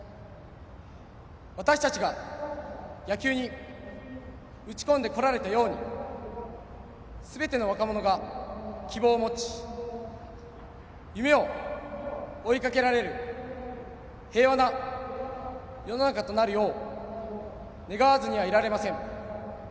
私たちが野球に打ち込んでこられたようにすべての若者が希望を持ち夢を追いかけられる平和な世の中となるよう願わずにはいられません。